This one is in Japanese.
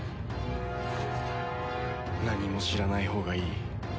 何も知らないほうがいい。